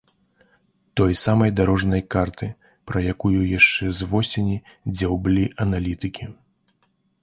Той самай дарожнай карты, пра якую яшчэ з восені дзяўблі аналітыкі.